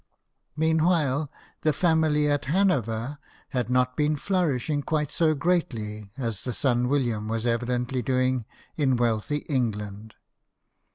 Meanwhile, the family at Hanover had not been flourishing quite so greatly as the son William was evidently doing in wealthy England.